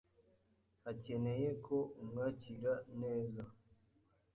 akeneye ko umwakira neza.